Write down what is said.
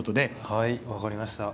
はい分かりました。